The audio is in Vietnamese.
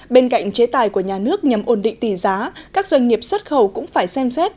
bên cạnh chế tài của nhà nước nhằm ổn định tỷ giá các doanh nghiệp xuất khẩu cũng phải xem xét